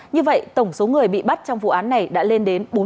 như vậy tổng số người bị bắt trong vụ án này đã lên đến